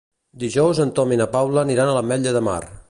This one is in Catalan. Dijous en Tom i na Paula aniran a l'Ametlla de Mar.